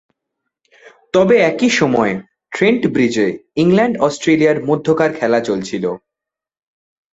তবে, একই সময়ে ট্রেন্ট ব্রিজে ইংল্যান্ড-অস্ট্রেলিয়ার মধ্যকার খেলা চলছিল।